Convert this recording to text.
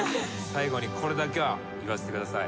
最後にこれだけは言わせてください。